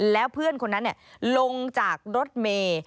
แล้วเพื่อนคนนั้นลงจากรถเมย์